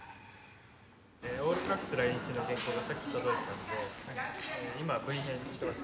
えぇオールブラックス来日の原稿がさっき届いたんでえぇ今Ｖ編してます。